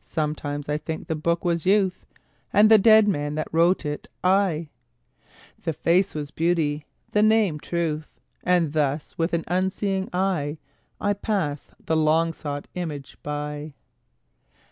Sometimes I think the book was Youth, And the dead man that wrote it I, The face was Beauty, the name Truth And thus, with an unseeing eye, I pass the long sought image by.